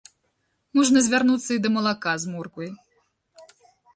Можна звярнуцца і да малака з морквай.